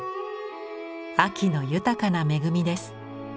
秋の豊かな恵みです。